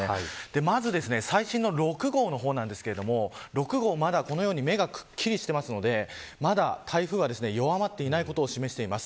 まず最新の６号の方ですが６号は、まだ目がくっきりしていてまだ台風は弱まっていないことを示しています。